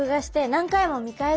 何回も！